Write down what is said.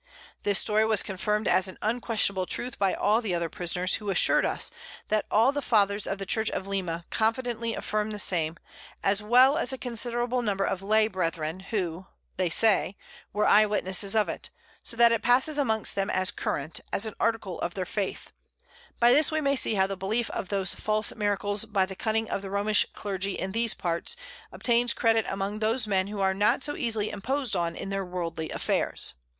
This Story was confirm'd as an unquestionable Truth by all the other Prisoners, who assured us, That all the Fathers of the Church at Lima confidently affirm the same, as well as a considerable Number of Lay Brethren, who (they say) were Eye Witnesses of it; so that it passes amongst them as currant, as an Article of their Faith: By this we may see how the Belief of those false Miracles, by the Cunning of the Romish Clergy in these Parts, obtains Credit among those Men who are not so easily imposed on in their worldly Affairs.